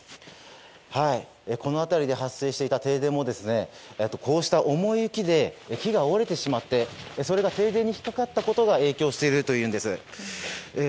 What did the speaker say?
この辺りで発生していた停電もこうした重い雪で木が折れてしまってそれが電線に引っかかったことが影響しているというんです。